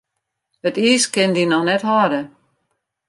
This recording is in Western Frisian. It iis kin dy noch net hâlde.